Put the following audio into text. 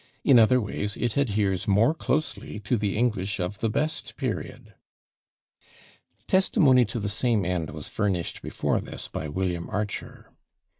In other ways it adheres more closely to the English of the best period." Testimony to the same end was furnished before this by William Archer.